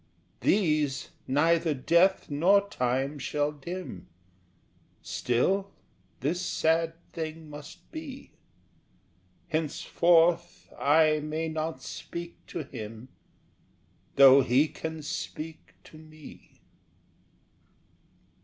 These neither death nor time shall dim, Still this sad thing must be Henceforth I may not speak to him, Though he can speak to me!